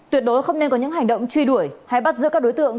tuyệt đối không nên có những hành động truy đuổi hay bắt giữ các đối tượng